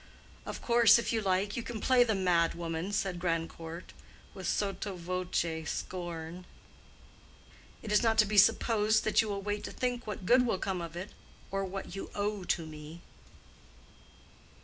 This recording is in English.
"Of course, if you like, you can play the mad woman," said Grandcourt, with sotto voce scorn. "It is not to be supposed that you will wait to think what good will come of it—or what you owe to me."